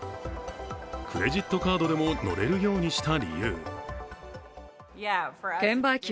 クレジットカードでも乗れるようにした理由。